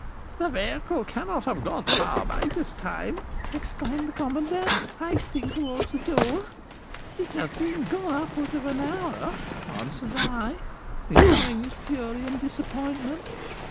'The vehicle cannot have got far by this time,' exclaimed the commandant, hastening towards the door. 'It has been gone upwards of an hour,' answered I, enjoying his fury and disappointment.